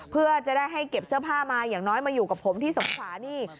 เพื่อจะได้ให้เก็บเสื้อผ้ามาอย่างน้อยมาอยู่กับผมที่สงขลานี่